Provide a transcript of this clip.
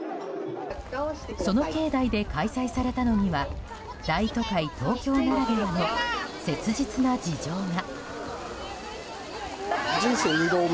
その境内で開催されたのには大都会・東京ならではの切実な事情が。